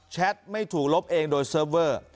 ไม่ถูกลบเองโดยเซิร์ฟเวอร์